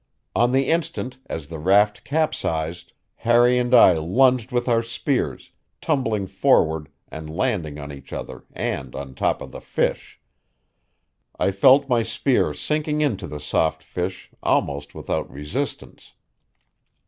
On the instant, as the raft capsized, Harry and I lunged with our spears, tumbling forward and landing on each other and on top of the fish. I felt my spear sinking into the soft fish almost without resistance.